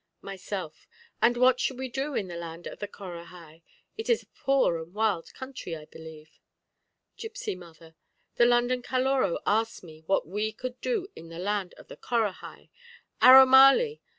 Myself And what should we do in the land of the Corahai? It is a poor and wild country, I believe. Gipsy Mother The London Caloró asks me what we could do in the land of the Corahai! Aromali!